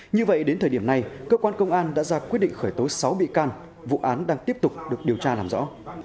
như vậy đến thời điểm này cơ quan công an đã ra quyết định khởi tố sáu bị can vụ án đang tiếp tục được điều tra làm rõ